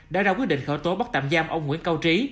đã ra quyết định khởi tố bắt tạm giam ông nguyễn cao trí